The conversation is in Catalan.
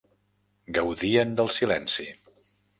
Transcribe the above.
Gaudien del silenci.